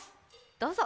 どうぞ！